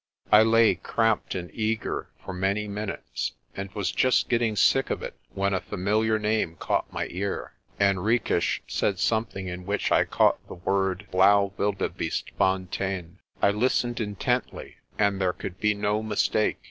I lay, cramped and eager, for many minutes, and was just getting sick of it when a familiar name caught my ear. Henriques said something in which I caught the word "Blaauwildebeestefontein." I listened intently, and there could be no mistake.